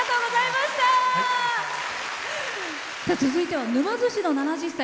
続いては沼津市の７０歳。